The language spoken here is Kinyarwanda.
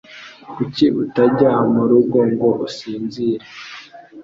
Kuki utajya murugo ngo usinzire?